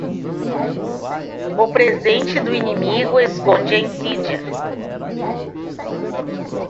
O presente do inimigo esconde a insídia.